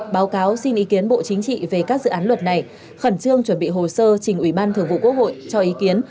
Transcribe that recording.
báo cáo xin ý kiến bộ chính trị về các dự án luật này khẩn trương chuẩn bị hồ sơ trình ủy ban thường vụ quốc hội cho ý kiến